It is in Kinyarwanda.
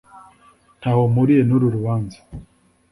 Ntaho mpuriye nuru rubanza